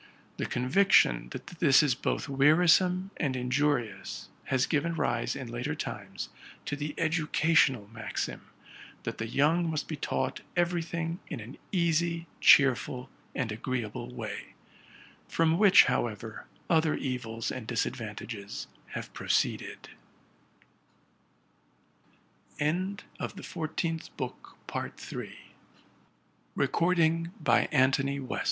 The conviction that this is both wearisome and injurious has given rise, in later times, to the educational maxim, that the young must be taught every thing in an easy, cheerful, and agreeable way: from which, however, other evils and disadvantages have proceeded, Wi